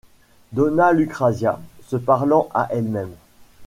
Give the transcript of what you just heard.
Dona Lucrezia, se parlant à elle-même.